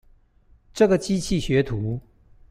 這個機器學徒